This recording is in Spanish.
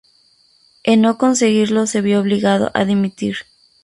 En no conseguirlo se vio obligado a dimitir.